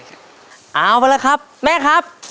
เอาละครับแม่ครับ